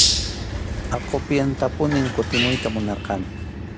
Aqupiyatapunim kutimuyta munarqani.